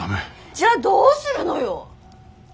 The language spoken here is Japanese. じゃあどうするのよ！